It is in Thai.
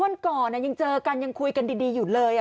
วันก่อนยังเจอกันยังคุยกันดีอยู่เลย